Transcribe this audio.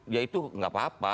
ya itu nggak apa apa